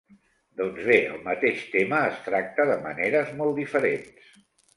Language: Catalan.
Doncs bé, el mateix tema es tracta de maneres molt diferents.